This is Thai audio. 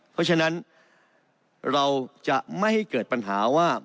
เพราะฉะนั้นเราจะไม่ให้เกิดปัญหาว่า